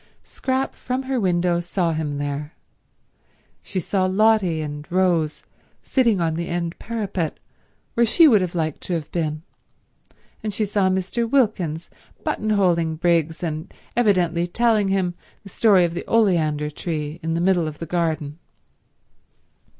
Scrap from her window saw him there. She saw Lotty and Rose sitting on the end parapet, where she would have liked to have been, and she saw Mr. Wilkins buttonholing Briggs and evidently telling him the story of the oleander tree in the middle of the garden.